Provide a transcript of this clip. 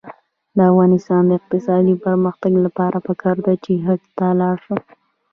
د افغانستان د اقتصادي پرمختګ لپاره پکار ده چې حج ته لاړ شو.